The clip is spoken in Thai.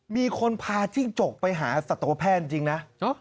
มีคนพาจิ้งจกไปหาสัตวแพทย์จริงนะ